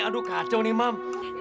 aduh kacau nih mam